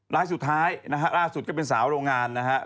รายสุดท้ายนะฮะล่าสุดก็เป็นสาวโรงงานนะครับ